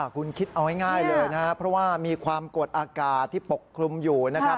คุณคิดเอาง่ายเลยนะครับเพราะว่ามีความกดอากาศที่ปกคลุมอยู่นะครับ